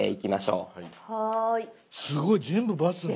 すごい全部バツだ。